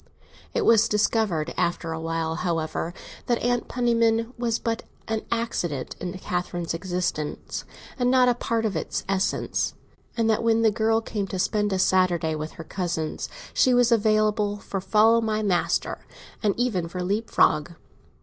It was discovered after a while, however, that Aunt Penniman was but an accident in Catherine's existence, and not a part of its essence, and that when the girl came to spend a Saturday with her cousins, she was available for "follow my master," and even for leapfrog.